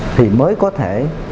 thì mới có thể